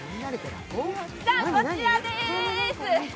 こちらでーす。